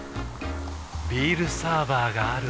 ビールサーバーがある夏。